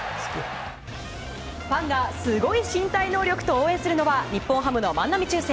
ファンがすごい身体能力と応援するのが日本ハムの万波中正。